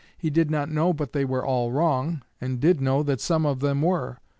He did not know but they were all wrong, and did know that some of them were.